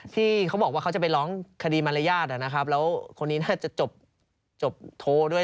ที่เขาบอกว่าเขาจะไปร้องคดีมารยาทนะครับแล้วคนนี้น่าจะจบโทรด้วย